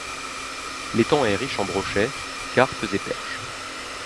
L'étang est riche en brochets, carpes et perches.